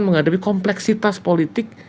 menghadapi kompleksitas politik